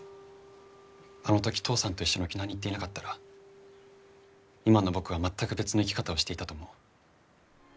あの時父さんと一緒に沖縄に行っていなかったら今の僕は全く別の生き方をしていたと思う。